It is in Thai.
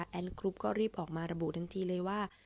กรุ๊ปก็รีบออกมาระบุทันทีเลยว่า